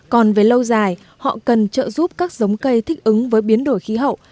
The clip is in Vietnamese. còn về lâu dài họ cần trợ giúp các giống cây thích ứng với biến đổi khí hậu